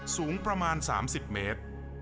สูงประมาณ๓๐เมตร